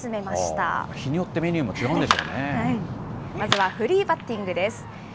まずはフリーバッティングです。